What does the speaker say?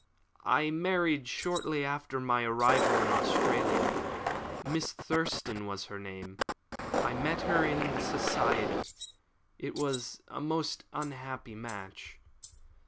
"I married shortly after my arrival in Australia. Miss Thurston was her name. I met her in society. It was a most unhappy match."